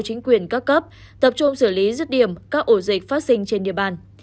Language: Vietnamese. chính quyền các cấp tập trung xử lý rứt điểm các ổ dịch phát sinh trên địa bàn